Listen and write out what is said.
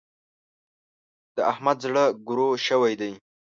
د احمد زړه ګرو شوی دی.